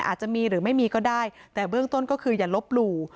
อาจจะมีหรือไม่มีก็ได้แต่เบื้องต้นก็คืออย่าลบหลู่